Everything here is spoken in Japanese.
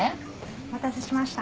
お待たせしました。